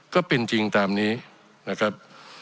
ก็เป็นจริงตามนี้นะครับ